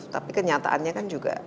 tapi kenyataannya kan juga